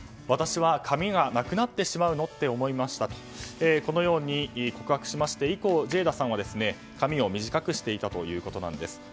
私は髪がなくなってしまうのって思いましたとこのように告白しまして以降、ジェイダさんは髪を短くしていたというわけなんです。